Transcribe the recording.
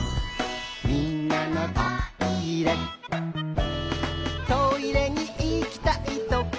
「みんなのトイレ」「トイレに行きたいときは」